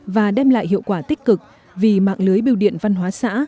và đem lại hiệu quả tích cực vì mạng lưới biêu điện văn hóa xã